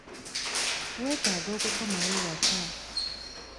Weetaaga okukomawo ewaka.